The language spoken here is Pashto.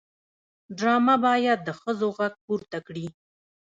ډرامه باید د ښځو غږ پورته کړي